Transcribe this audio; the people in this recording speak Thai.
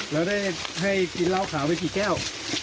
แล้วได้ให้กินเหล้าขาวไปกี่แก้ว